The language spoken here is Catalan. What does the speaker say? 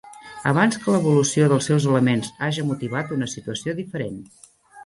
Abans que l'evolució dels seus elements haja motivat una situació diferent.